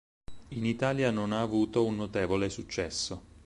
In Italia non ha avuto un notevole successo.